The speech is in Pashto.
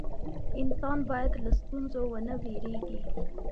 انسان باید له ستونزو ونه ویریږي.